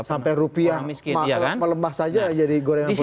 sampai rupiah melembah saja jadi gorengan politik